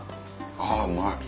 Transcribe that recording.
あうまい！